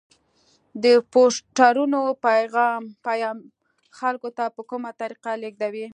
د پوسټرونو پیام خلکو ته په کومه طریقه لیږدوي؟